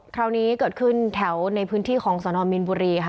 คราวนี้เกิดขึ้นแถวในพื้นที่ของสนมินบุรีค่ะ